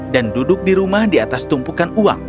dan duduk di rumah di atas tumpukan uang